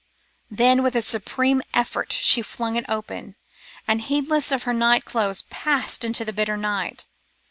Then with a supreme effort she flung it open, and heedless of her night clothes passed into the bitter night.